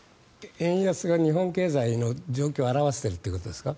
円安が日本経済の状況を表しているということですか？